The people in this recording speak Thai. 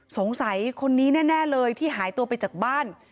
สงสัยคนนี้แน่เลยที่หายตัวไปจากบ้าน